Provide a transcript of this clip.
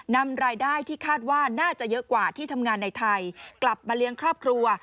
นำรายได้ที่คาดว่าน่าจะเยอะกว่าที่ทำงานในไทยกลับมาเลี้ยงครอบครัว